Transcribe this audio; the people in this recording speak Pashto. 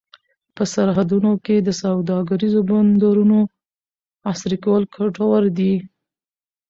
په سرحدونو کې د سوداګریزو بندرونو عصري کول ګټور دي.